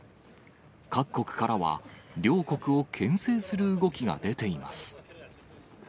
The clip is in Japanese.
各国からは両国をけん制する動きが出ています。